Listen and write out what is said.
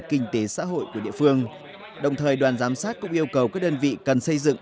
kinh tế xã hội của địa phương đồng thời đoàn giám sát cũng yêu cầu các đơn vị cần xây dựng